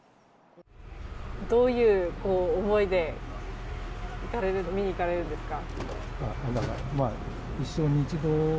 どういう思いで見に行かれるんですか？